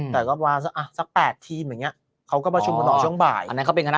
แต่ก็วานและสัก๘ทีเหมือนอย่างนี้เขาก็ประชุมมนอกช่องบ่ายอันนั้นเขาเป็นคณะ